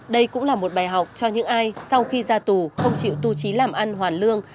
đây cũng là một bài học cho những ai sau khi ra tù không chịu tu trí làm ăn hoàn lương